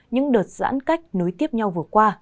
những đợt giãn cách nối tiếp nhau